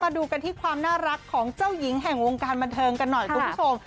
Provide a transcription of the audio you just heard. ดูกันที่ความน่ารักของเจ้าหญิงแห่งวงการบันเทิงกันหน่อยคุณผู้ชม